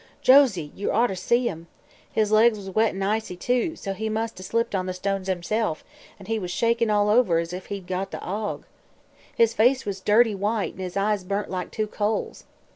Josie, ye orter seen him! His legs was wet an' icy, too, so he must 'a' slipped on the stones himself; an' he was shakin' all over as if he'd got the ague. His face was a dirty white an' his eyes burnt like two coals.